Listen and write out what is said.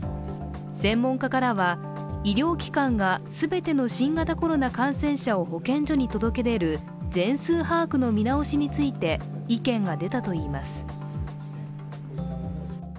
専門家からは医療機関が全ての新型コロナ感染者を保健所に届け出る全数把握の見直しについて意見が出たといいます。